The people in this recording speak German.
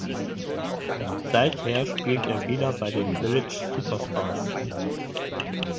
Seither spielt er wieder bei den Village Superstars.